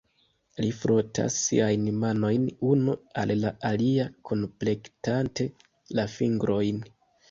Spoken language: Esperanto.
Li frotas siajn manojn unu al la alia kunplektante la fingrojn.